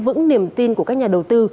mà còn giữ vững niềm tin của các nhà đầu tư